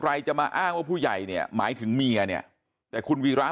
ใครจะมาอ้างว่าผู้ใหญ่เนี่ยหมายถึงเมียเนี่ยแต่คุณวีระ